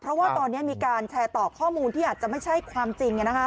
เพราะว่าตอนนี้มีการแชร์ต่อข้อมูลที่อาจจะไม่ใช่ความจริง